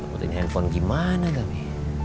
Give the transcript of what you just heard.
memutihkan handphone gimana gami